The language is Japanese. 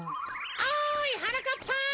おいはなかっぱ！